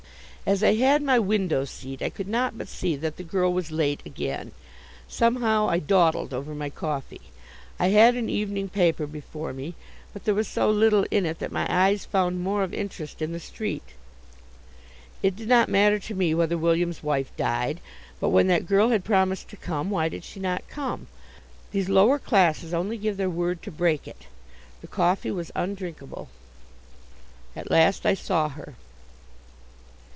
As I had my window seat, I could not but see that the girl was late again. Somehow I dawdled over my coffee. I had an evening paper before me, but there was so little in it that my eyes found more of interest in the street. It did not matter to me whether William's wife died, but when that girl had promised to come, why did she not come? These lower classes only give their word to break it. The coffee was undrinkable. At last I saw her.